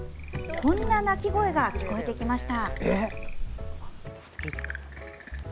こんな鳴き声が聞こえてきました。